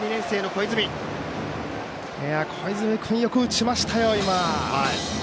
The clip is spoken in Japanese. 小泉君、よく打ちましたよ。